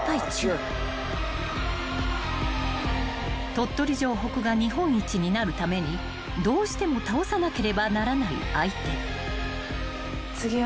［鳥取城北が日本一になるためにどうしても倒さなければならない相手］